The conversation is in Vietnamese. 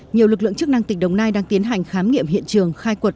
nhiều lực lượng chức năng tỉnh đồng nai đang tiến hành khám nghiệm hiện trường khai quật